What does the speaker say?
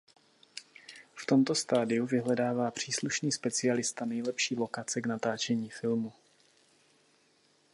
V tomto stadiu vyhledává příslušný specialista nejlepší lokace k natáčení filmu.